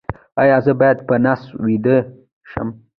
ایا زه باید په نس ویده شم؟